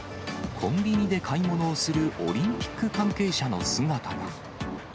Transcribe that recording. コンビニで買い物をするオリンピック関係者の姿が。